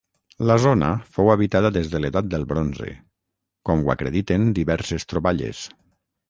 La zona fou habitada des de l'edat del bronze, com ho acrediten diverses troballes.